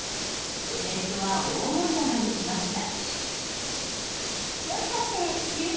ネットは大盛り上がりしました。